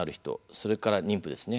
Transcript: それから妊婦ですね